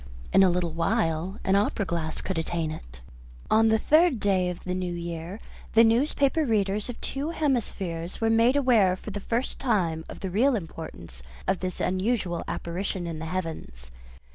In a little while an opera glass could attain it. On the third day of the new year the newspaper readers of two hemispheres were made aware for the first time of the real importance of this unusual apparition in the heavens.